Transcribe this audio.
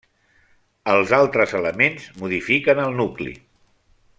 Els altres elements modifiquen el nucli.